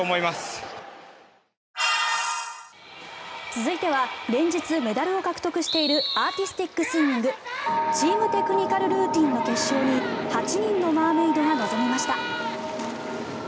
続いては連日メダルを獲得しているアーティスティックスイミングチーム・テクニカルルーティンの決勝に８人のマーメイドが臨みました。